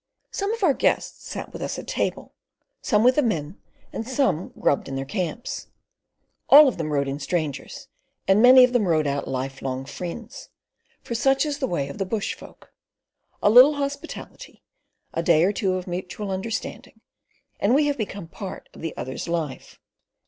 Some of our guests sat with us at table, some with the men, and some "grubbed in their camps." All of them rode in strangers and many of them rode out life long friends, for such is the way of the bushfolk: a little hospitality, a day or two of mutual understanding, and we have become part of the other's life.